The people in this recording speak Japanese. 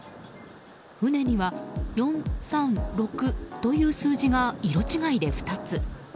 船には、４３６という数字が色違いで２つ。